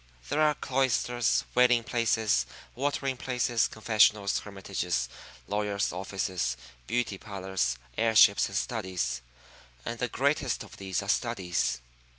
There are cloisters, wailing places, watering places, confessionals, hermitages, lawyer's offices, beauty parlors, air ships, and studies; and the greatest of these are studies.